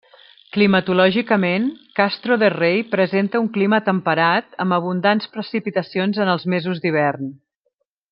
Climatològicament, Castro de Rei presenta un clima temperat, amb abundants precipitacions en els mesos d'hivern.